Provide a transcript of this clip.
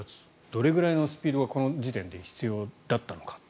どれぐらいのスピードがこの時点で必要だったのか。